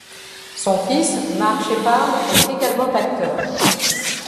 Son fils, Mark Sheppard, est également acteur.